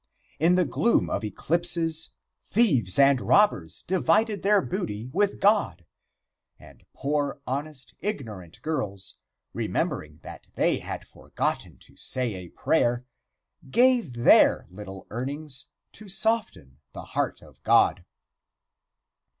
In the gloom of eclipses thieves and robbers divided their booty with God, and poor, honest, ignorant girls, remembering that they had forgotten to say a prayer, gave their little earnings to soften the heart of God.